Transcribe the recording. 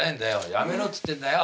やめろっつってんだよ！